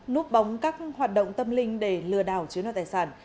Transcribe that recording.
núp bóng các hoạt động tâm linh để lừa đảo chiếm đoạt tài sản